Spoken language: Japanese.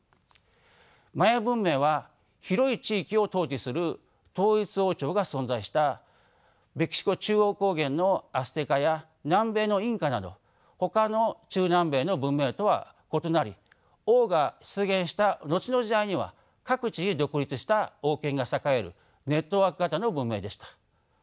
マヤ文明は広い地域を統治する統一王朝が存在したメキシコ中央高原のアステカや南米のインカなどほかの中南米の文明とは異なり王が出現した後の時代には各地に独立した王権が栄えるネットワーク型の文明でした。